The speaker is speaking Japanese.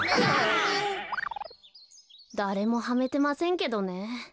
だれもハメてませんけどね。